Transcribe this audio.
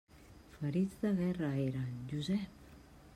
Ferits de guerra, eren, Josep!